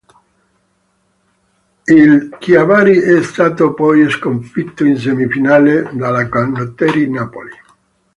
Il Chiavari è stato poi sconfitto in semifinale dalla Canottieri Napoli.